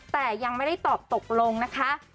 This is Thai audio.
แต่ยังไม่ได้ตอบตกลงนะคะ